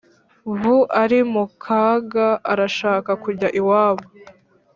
buari mukaga arashaka kujya iwabo